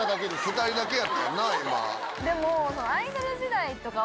でも。